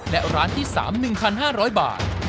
และร้านที่๓๑๕๐๐บาท